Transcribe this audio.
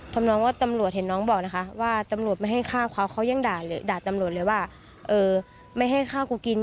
น้องว่าตำรวจเห็นน้องบอกนะคะว่าตำรวจไม่ให้ฆ่าเขาเขายังด่าตำรวจเลยว่าไม่ให้ข้าวกูกิน